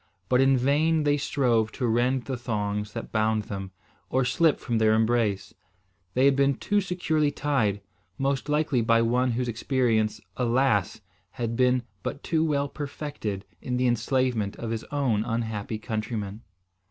But in vain they strove to rend the thongs that bound them, or slip from their embrace. They had been too securely tied, most likely by one whose experience, alas! had been but too well perfected in the enslavement of his own unhappy countrymen.